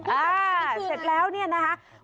อ่าเสร็จแล้วนี่นะค่ะ